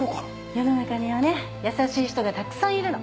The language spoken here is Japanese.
世の中にはね優しい人がたくさんいるの。